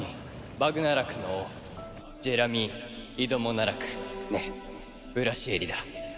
バグナラクの王ジェラミー・イドモナラク・ネ・ブラシエリだ。